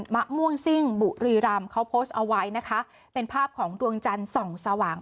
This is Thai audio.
มะม่วงซิ่งบุรีรำเขาโพสต์เอาไว้นะคะเป็นภาพของดวงจันทร์ส่องสว่าง